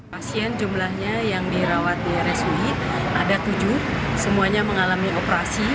pasien jumlahnya yang dirawat di rsui ada tujuh semuanya mengalami operasi